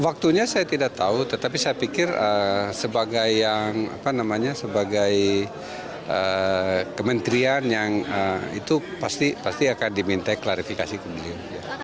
waktunya saya tidak tahu tetapi saya pikir sebagai kementerian itu pasti akan diminta klarifikasi ke beliau